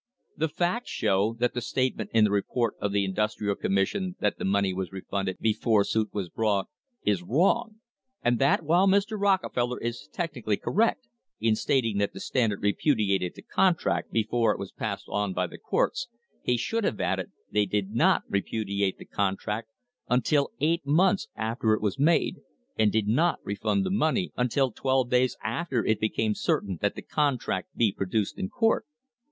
The facts show that the statement in the report of the Indus trial Commission that the money was refunded before suit was brought is wrong, and that, while Mr. Rockefeller is technically correct in stating that the Standard repudiated the contract before it was passed on by the courts, he should have added they did not repudiate the contract until eight months after it was made, and did not refund the money until twelve days after it became certain that the contract would be produced in court.